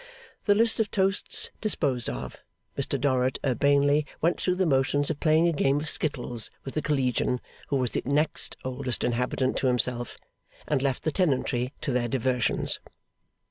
The list of toasts disposed of, Mr Dorrit urbanely went through the motions of playing a game of skittles with the Collegian who was the next oldest inhabitant to himself; and left the tenantry to their diversions.